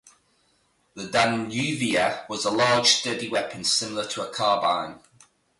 The Danuvia was a large, sturdy weapon, similar to a carbine.